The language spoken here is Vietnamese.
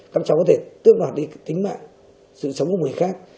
các cháu có thể tước đoạt đi tính mạng sự sống của người khác